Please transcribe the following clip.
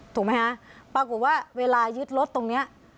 ถูกไหมคะปรากฏว่าเวลายึดรถตรงนี้